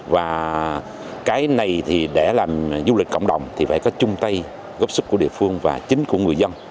và cái này thì để làm du lịch cộng đồng thì phải có chung tay góp sức của địa phương và chính của người dân